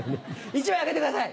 １枚あげてください。